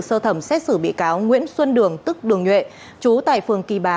sơ thẩm xét xử bị cáo nguyễn xuân đường tức đường nhuệ chú tại phường kỳ bá